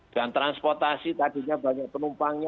dan transportasi tadinya banyak penumpangnya